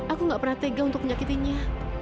aku gak pernah tega untuk menyakitinya